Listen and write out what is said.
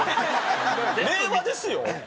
令和ですよ？